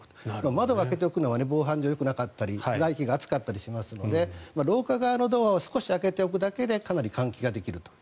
窓を開けておくのは防犯上よくなかったり外気が暑かったりしますので廊下側のドアを少し開けておくだけでかなり換気ができると。